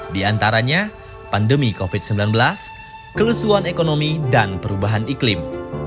di antaranya pandemi covid sembilan belas kelesuan ekonomi dan perubahan iklim